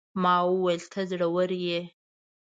ما وويل: ته زړوره يې.